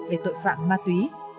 để tội phạm ma túy